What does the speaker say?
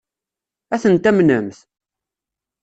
Ad ten-tamnemt?